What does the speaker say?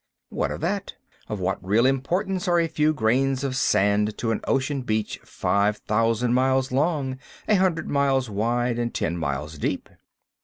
What of that? Of what real importance are a few grains of sand to an ocean beach five thousand miles long, a hundred miles wide, and ten miles deep?